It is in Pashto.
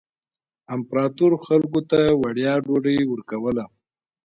امپراتور خلکو ته وړیا ډوډۍ ورکوله.